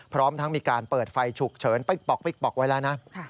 พร้อมทั้งมีการเปิดไฟฉุกเฉินปิ๊กป๊อกปิ๊กป๊อกไว้แล้วนะ